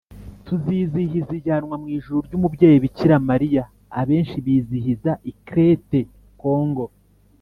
tuzizihiza ijyanwa mu ijuru ry’umubyeyi bikira mariya, abenshi bizihiriza i crête congo-